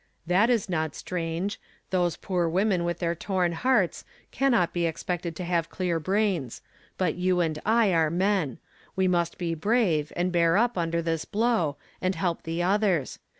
" That is not strange ; those poor women with their t^rn hearts, caiuiot be expected to have clear brains ; l)ut you and I are men. We unist be brave, and bear up under this blow, and help the others.